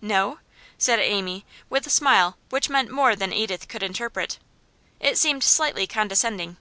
'No?' said Amy, with a smile which meant more than Edith could interpret. It seemed slightly condescending.